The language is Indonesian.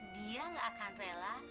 dia gak akan rela